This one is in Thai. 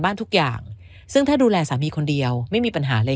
ทุกอย่างซึ่งถ้าดูแลสามีคนเดียวไม่มีปัญหาเลย